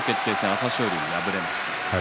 朝青龍に敗れました。